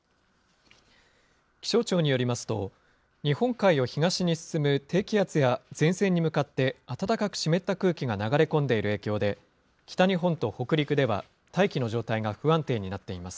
気象庁によりますと、日本海を東に進む低気圧や前線に向かって暖かく湿った空気が流れ込んでいる影響で、北日本と北陸では大気の状態が不安定になっています。